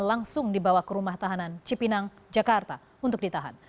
langsung dibawa ke rumah tahanan cipinang jakarta untuk ditahan